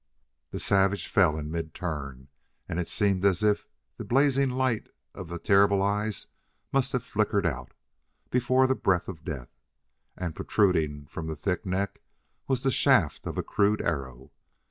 The savage fell in mid turn; and it seemed as if the blazing light of the terrible eyes must have flicked out before the breath of Death. And, protruding from the thick neck, was the shaft of a crude arrow....